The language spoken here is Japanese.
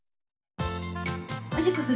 おしっこする？